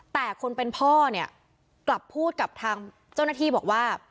แต่คนเป็นพ่อเนี่ยกลับพูดกับทางเจ้าหน้าที่บอกว่า